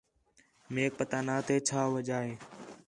میک پتہ نا تھے چھا وجہ ہِے